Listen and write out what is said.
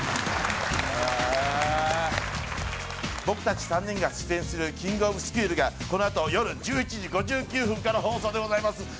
僕達３人が出演する『キングオブスクール』がこのあと夜１１時５９分から放送でございます。